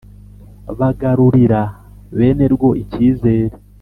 Bagarurira bene rwo icyizere